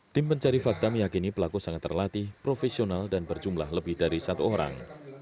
tim pencari fakta meyakini pelaku sangat terlatih profesional dan berjumlah lebih dari satu orang